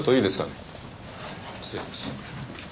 失礼します